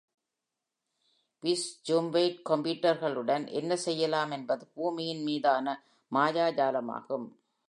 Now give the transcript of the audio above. ’விஸ்” ஜும்வெயிட்கம்ப்யூட்டர்களுடன் என்ன செய்யலாம் என்பது பூமியின் மீதான மாயாஜாலமாகும்.